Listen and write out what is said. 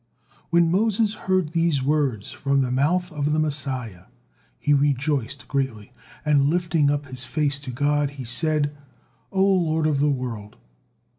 When Moses heard these words from the mouth of the Messiah, he rejoiced greatly, and lifting up his face to God, he said, "O Lord of the world!